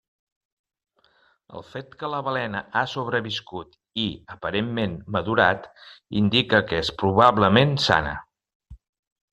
El fet que la balena ha sobreviscut i aparentment madurat indica que és probablement sana.